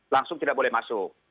langsung tidak boleh masuk